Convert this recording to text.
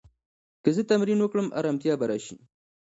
که زه تمرین وکړم، ارامتیا به راشي.